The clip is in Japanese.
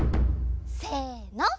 せの！